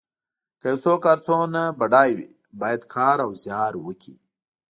که یو څوک هر څومره بډای وي باید کار او زیار وکړي.